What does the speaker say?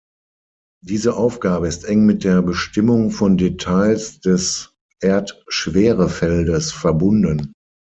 Diese Aufgabe ist eng mit der Bestimmung von Details des Erdschwerefeldes verbunden.